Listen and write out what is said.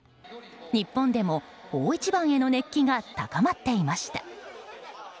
日本でも、大一番への熱気が高まっていました。